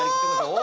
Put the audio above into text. お！